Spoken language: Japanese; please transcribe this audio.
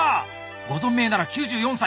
ご存命なら９４歳。